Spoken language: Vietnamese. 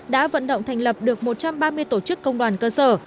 đã vận động thành lập được một trăm ba mươi tổ chức công đoàn cơ sở